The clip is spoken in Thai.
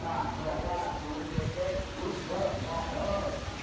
สวัสดีครับคุณผู้ชาย